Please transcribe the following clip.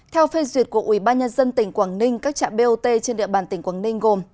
theo phê duyệt của ủy ban nhân dân tỉnh quảng ninh các trạm bot trên địa bàn tỉnh quảng ninh gồm